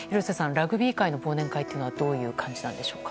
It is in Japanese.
ラグビー界の忘年会ってどういう感じでしょうか。